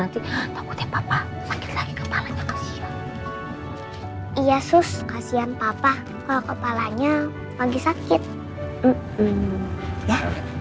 terima kasih papa sakit sakit kepalanya kasihan iya sus kasihan papa kepalanya lagi sakit ya